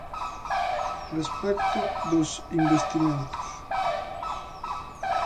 Respecto dos investimentos.